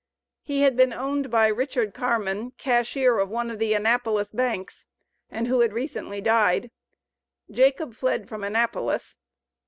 He had been owned by Richard Carman, cashier of one of the Annapolis banks, and who had recently died. Jacob fled from Annapolis.